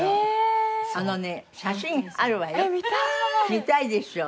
見たいでしょ。